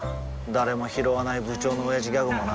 誰もひろわない部長のオヤジギャグもな